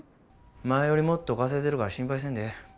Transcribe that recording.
前よりもっと稼いでるから心配せんでええ。